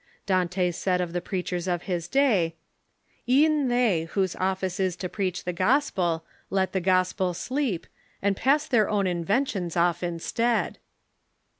Dante said of the preachers of his day :" E'en they whose office is To preach the gospel, let the gospel sleep, And pass their own inventions off instead."